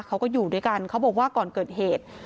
เขาก็อยู่ด้วยกันเขาบอกว่าก่อนเกิดเหตุ